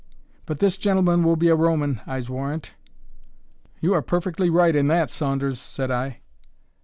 But this gentleman will be a Roman, I'se warrant?" "You are perfectly right in that, Saunders," said I.